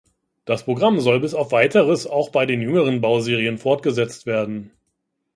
Das Programm soll bis auf weiteres auch bei den jüngeren Bauserien fortgesetzt werden.